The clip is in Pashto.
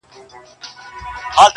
کرونا راغلې پر خلکو غم دی.!